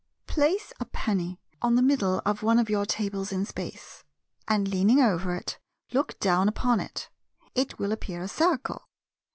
Place a penny on the middle of one of your tables in Space; and leaning over it, look down upon it. It will appear a circle.